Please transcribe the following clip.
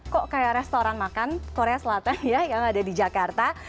kok kayak restoran makan korea selatan ya yang ada di jakarta